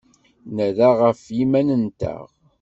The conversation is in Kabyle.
Nerra ɣef yiman-nteɣ.